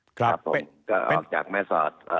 ออกจากแม่สอด